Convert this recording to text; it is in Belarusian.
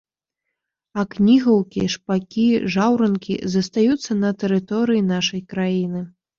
А кнігаўкі, шпакі, жаўранкі застаюцца на тэрыторыі нашай краіны.